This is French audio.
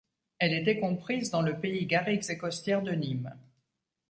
Elle était comprise dans le Pays Garrigues et Costières de Nîmes.